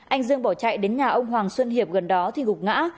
anh dương bỏ chạy đến nhà ông hoàng xuân hiệp gần đó thì gục ngã